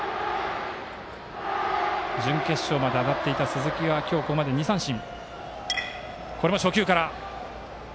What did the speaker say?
準決勝まで当たっていた鈴木が今日、ここまで２三振。